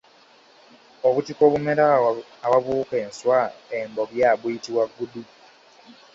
Obutiko obumera awabuuka enswa embobya buyitibwa ggudu.